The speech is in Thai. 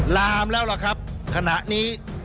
ลามแล้วล่ะครับขณะนี้